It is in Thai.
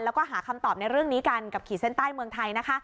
แล้วก็หาคำตอบในเรื่องนี้กันกับขีดเส้นใต้เมืองไทยนะคะ